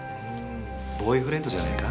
ボーイフレンドじゃねえか？